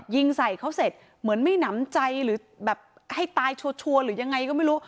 ยิงใส่เขาเสร็จเหมือนไม่หนำใจหรือแบบให้ตายชัวร์หรือยังไงก็ไม่รู้